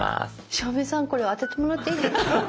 照明さんこれ当ててもらっていいですか？